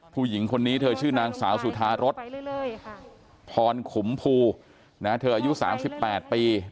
ผู้หญิงคนนี้เธอชื่อนางสาวสุธารสพขุมภูเธออายุ๓๘ปี